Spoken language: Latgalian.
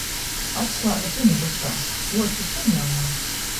Atslāga suņa butkā, Luoča seņ jau nav.